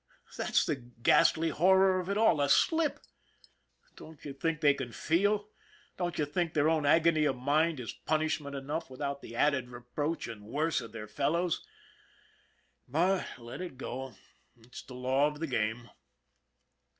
That's the ghastly horror of it all a slip! Don't you think they can feel? Don't you think their own agony of mind is punishment enough without the added reproach, and worse, of their fellows? But let it go, it's the Law of the Game.